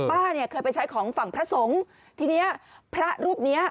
ป้าเคยไปใช้ของฝั่งพระสงฆ์ทีนี้พระรูปนี้